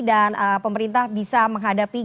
dan pemerintah bisa menghadapi